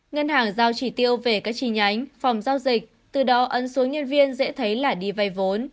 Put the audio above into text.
ngân hàng giao chỉ tiêu về các chi nhánh phòng giao dịch từ đó ấn xuống nhân viên dễ thấy là đi vay vốn